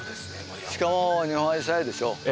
しかも日本あじさいでしょ。